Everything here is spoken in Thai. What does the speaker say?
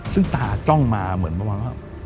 ซึ่งตาจ้องมาเหมือนประมาณว่า